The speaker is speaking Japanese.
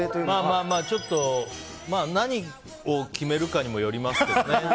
まあまあ、ちょっと何を決めるかにもよりますけど。